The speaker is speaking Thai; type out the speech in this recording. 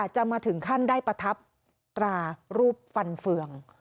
จะมาถึงขั้นได้ประทับตรารูปฟันเฟือง